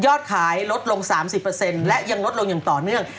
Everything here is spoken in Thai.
ขายลดลง๓๐และยังลดลงอย่างต่อเนื่อง